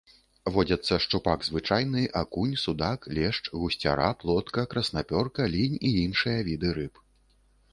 Водзяцца шчупак звычайны, акунь, судак, лешч, гусцяра, плотка, краснапёрка, лінь і іншыя віды рыб.